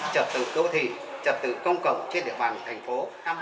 trật tự đô thị trật tự công cộng trên địa bàn thành phố